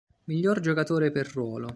Miglior giocatore per ruolo